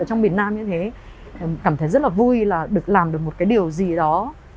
ở miền nam như thế cảm thấy rất là vui là được làm được một cái điều gì đó